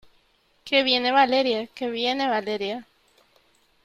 que viene Valeria , que viene Valeria .